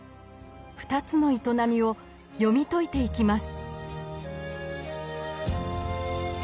２つの営みを読み解いていきます。